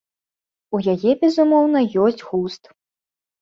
У яе, безумоўна, ёсць густ.